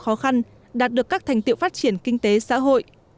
khó khăn đạt được các thành tiệu phát triển kinh tế xã hội